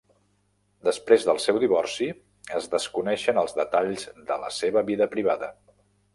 Després del seu divorci, es desconeixen els detalls de la seva vida privada.